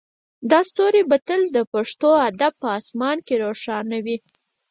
دا ستوری به تل د پښتو ادب په اسمان کې روښانه وي